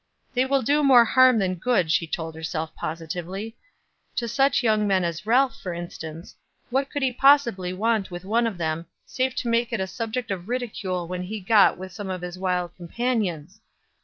"They will do more harm than good," she told herself positively. To such young men as Ralph, for instance, what could he possibly want with one of them, save to make it a subject of ridicule when he got with some of his wild companions.